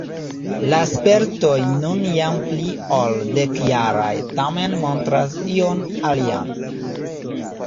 La spertoj nun jam pli ol dekjaraj tamen montras ion alian.